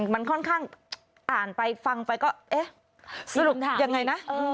มันค่อนข้างอ่านไปฟังไปก็เอ๊ะสรุปยังไงนะ